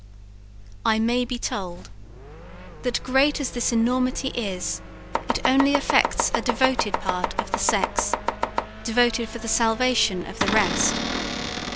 I may be told, that great as this enormity is, it only affects a devoted part of the sex devoted for the salvation of the rest.